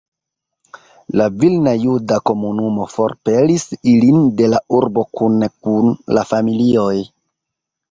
La vilna juda komunumo forpelis ilin de la urbo kune kun la familioj.